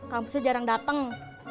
kang musnya jarang dateng